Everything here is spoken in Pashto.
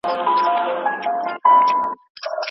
دا پروسه ځینې ځانګړي ځواکونه موږ ته راښيي.